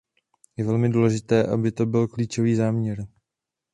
Je velmi důležité, aby to byl klíčový záměr.